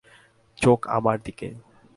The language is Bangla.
চোখ আমার দিকে!